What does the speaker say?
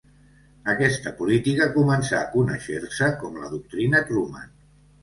Aquesta política començà a conèixer-se com la Doctrina Truman.